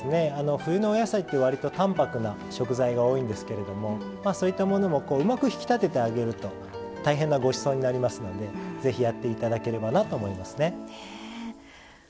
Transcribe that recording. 冬のお野菜って割と淡泊な食材が多いんですけれどもそういったものもうまく引き立ててあげると大変なごちそうになりますのでぜひやって頂ければなと思いますね。